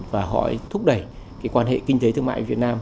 và họ thúc đẩy cái quan hệ kinh tế thương mại việt nam